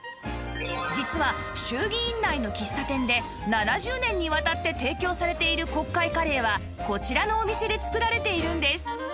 実は衆議院内の喫茶店で７０年にわたって提供されている国会カレーはこちらのお店で作られているんです